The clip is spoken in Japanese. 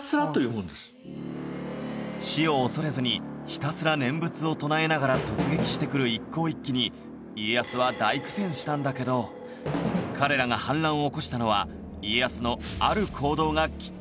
死を恐れずにひたすら念仏を唱えながら突撃してくる一向一揆に家康は大苦戦したんだけど彼らが反乱を起こしたのは家康のある行動がきっかけだったんだ